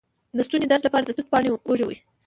د ستوني درد لپاره د توت پاڼې وژويئ